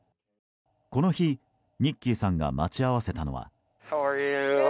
この日、ニッキーさんが待ち合わせたのは。